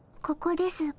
ここです。